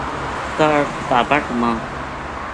کاہڈ تابٹ ما